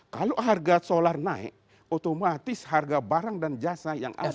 kalau harga solar naik otomatis harga barang dan jasa yang asli